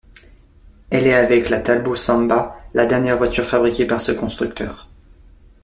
Elle est avec la Talbot Samba la dernière voiture fabriquée par ce constructeur.